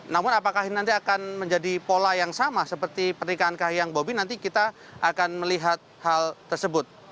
namun apakah ini nanti akan menjadi pola yang sama seperti pernikahan kahiyang bobi nanti kita akan melihat hal tersebut